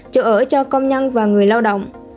chủ ở cho công nhân và người lao động